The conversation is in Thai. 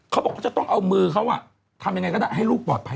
เขาบอกเขาจะต้องเอามือเขาทำยังไงก็ได้ให้ลูกปลอดภัย